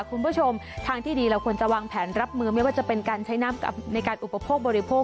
คุณผู้ชมทางที่ดีเราควรจะวางแผนรับมือไม่ว่าจะเป็นการใช้น้ำในการอุปโภคบริโภค